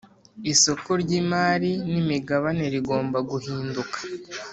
isoko ry’imari n’ imigabane rigomba guhinduka